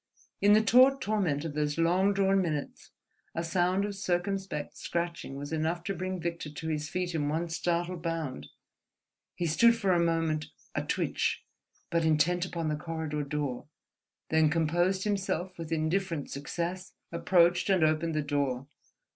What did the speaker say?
In the taut torment of those long drawn minutes a sound of circumspect scratching was enough to bring Victor to his feet in one startled bound. He stood for a moment, a twitch, but intent upon the corridor door, then composed himself with indifferent success, approached and opened the door.